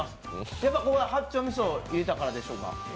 やっぱり八丁みそ入れたからでしょうか。